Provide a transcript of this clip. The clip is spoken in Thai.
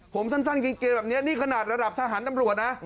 ผมสั้นเกณแบบนี้นี่ขนาดระดับทหารตำรวจนะ